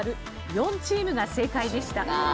４チームが正解でした。